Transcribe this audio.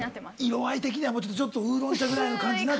色合い的にはちょっとウーロン茶ぐらいの感じになって。